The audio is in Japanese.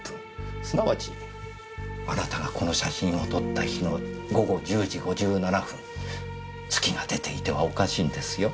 すなわちあなたがこの写真を撮った日の午後１０時５７分月が出ていてはおかしいんですよ。